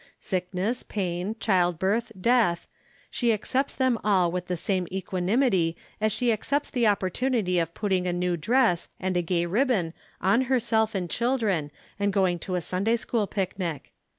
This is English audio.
Sickness, pain, childbirth, death she ac cepts them all with the same equanimity as she accepts the opportunity of putting a new dress and a gay ribbon on herself and children and going to a Sunday School picnic.